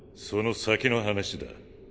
その先の話だ。